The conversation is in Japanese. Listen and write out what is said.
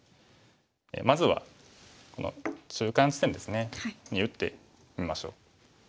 まずはこの中間地点ですね。に打ってみましょう。